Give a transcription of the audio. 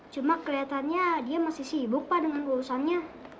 cuma kelihatannya dia masih sibuk pak dengan urusannya